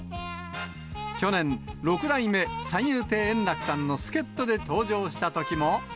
去年、六代目三遊亭円楽さんの助っとで登場したときも。